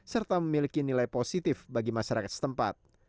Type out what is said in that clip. serta memiliki nilai positif bagi masyarakat setempat